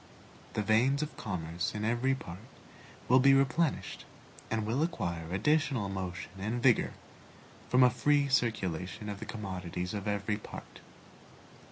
The veins of commerce in every part will be replenished, and will acquire additional motion and vigor from a free circulation of the commodities of every part.